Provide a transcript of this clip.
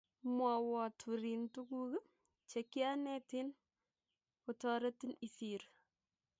Mwowo turin tukuk che kianetin kitoretin isiir